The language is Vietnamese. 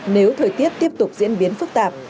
nếu thời tiết tiếp tục diễn biến phức tạp